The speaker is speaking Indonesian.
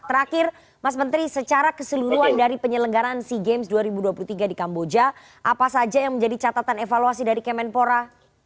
terakhir mas menteri secara keseluruhan dari penyelenggaran sea games dua ribu dua puluh tiga di kamboja apa saja yang menjadi catatan evaluasi dari kemenpora